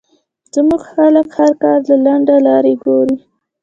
زمونږ خلک هر کار له لنډه لار ګوري